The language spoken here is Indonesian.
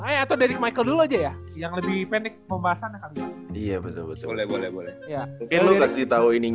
ya mungkin bisa jadi